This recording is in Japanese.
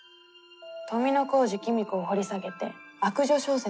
富小路公子を掘り下げて悪女小説に挑戦したい。